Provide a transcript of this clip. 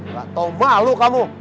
gak tau malu kamu